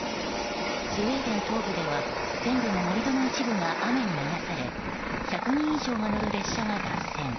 スウェーデン東部では線路の盛り土の一部が雨に流され１００人以上が乗る列車が脱線。